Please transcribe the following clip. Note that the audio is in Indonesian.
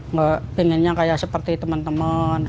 nggak pengennya kayak seperti teman teman